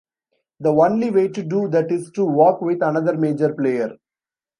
The only way to do that is to work with another major player.